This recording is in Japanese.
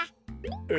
え。